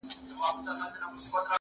مخ ګلاب لېمه نرګس زلفي سنبل سوې,